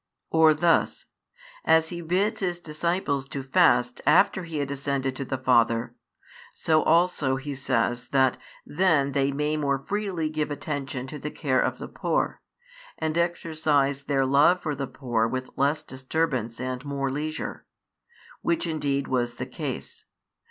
Or thus: As He bids His disciples to fast after He had ascended to the Father, |140 so also He says that then they may more freely give attention to the care of the poor, and exercise their love for the poor with less disturbance and more leisure: which indeed was the case.